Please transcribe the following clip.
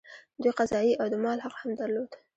دوی قضايي او د مال حق هم درلود.